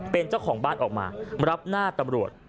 เป็นเจ้าของบ้านออกมารับหน้าตำรวจ